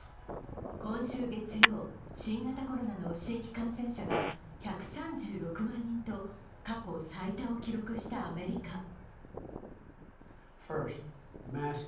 今週月曜、新型コロナの新規感染者が１３６万人と過去最多を記録したアメリカ。